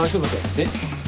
えっ？